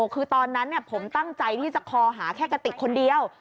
คือตอนนั้นผมตั้งใจที่จะคอหาแค่กระติกคนเดียว